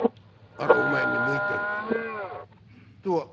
あれはお前に向いてる」と。